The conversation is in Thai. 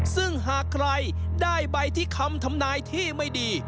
ซึ่งหากใครได้ใบที่คำทำนายที่ไม่ดี